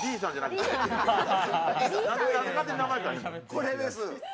これです。